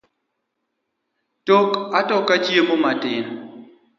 Tok atoka chiemo matin